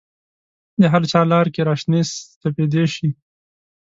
د هرچا لار کې را شنې سپیدې شي